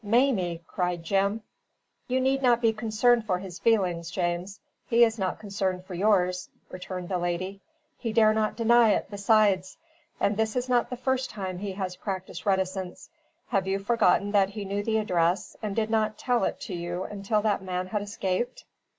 "Mamie!" cried Jim. "You need not be concerned for his feelings, James; he is not concerned for yours," returned the lady. "He dare not deny it, besides. And this is not the first time he has practised reticence. Have you forgotten that he knew the address, and did not tell it you until that man had escaped?"